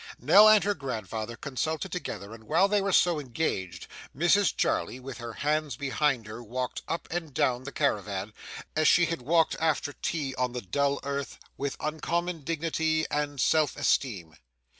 Nell and her grandfather consulted together, and while they were so engaged, Mrs Jarley with her hands behind her walked up and down the caravan, as she had walked after tea on the dull earth, with uncommon dignity and self esteem.